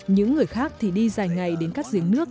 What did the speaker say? những người khác thì đi dài ngày đến các giếng nước